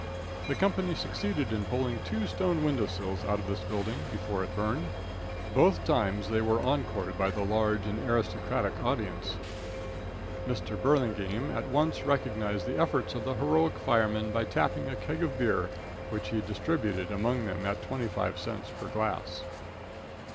The company succeeded in pulling two stone window sills out of this building before it burned. Both times they were encored by the large and aristocratic audience. Mr. Burlingame at once recognized the efforts of the heroic firemen by tapping a keg of beer, which he distributed among them at 25 cents per glass.